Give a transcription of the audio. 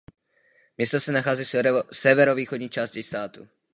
Město se nachází v severovýchodní částí státu.